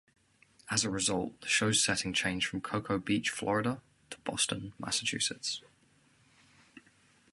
As a result, the show's setting changed from Cocoa Beach, Florida to Boston, Massachusetts.